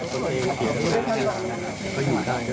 ขอบคุณครับ